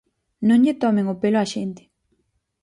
Non lle tomen o pelo á xente.